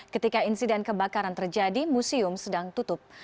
ketika insiden kebakaran terjadi museum sedang tutup